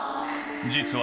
実は